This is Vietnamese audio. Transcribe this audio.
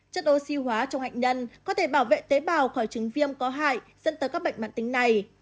chất oxy hóa trong bệnh nhân có thể bảo vệ tế bào khỏi chứng viêm có hại dẫn tới các bệnh mạng tính này